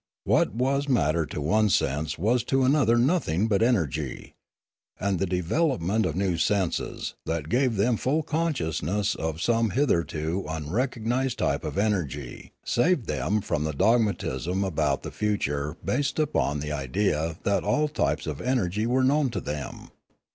What was matter to one sense was to another nothing but energy. And Death 359 the development of new senses, that gave them full consciousness of some hitherto unrecognised type of energy, saved them from the dogmatism about the future based upon the idea that all types of energy were known to them.